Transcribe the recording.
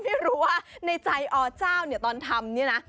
ไม่รู้ว่าในใจอ๋อเจ้าตอนทำนี่นะ